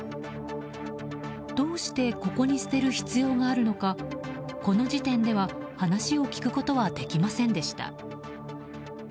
どうしてここに捨てる必要があるのかこの時点では話を聞くことはできませんでした。